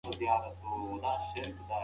زما ورور په خپل باغ کې د انار نوي بوټي ایښي.